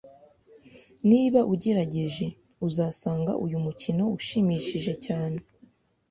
Niba ugerageje, uzasanga uyu mukino ushimishije cyane